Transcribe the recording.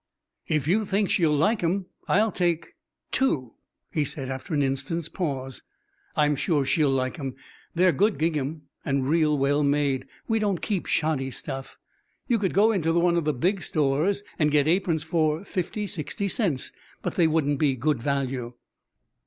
"If you think she'll like 'em I'll take two," he said after an instant's pause. "I'm sure she'll like 'em. They're good gingham and real well made. We don't keep shoddy stuff. You could go into one of the big stores and get aprons for fifty, sixty cents, but they wouldn't be good value."